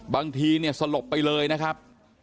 บางทีเนี่ยสลบไปเลยนะครับ